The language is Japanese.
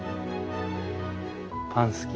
パン好き？